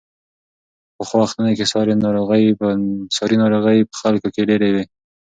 په پخوا وختونو کې ساري ناروغۍ په خلکو کې ډېرې وې.